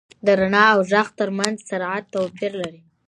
• د رڼا او ږغ تر منځ سرعت توپیر لري.